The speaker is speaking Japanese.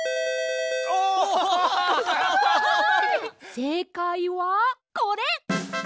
せいかいはこれ！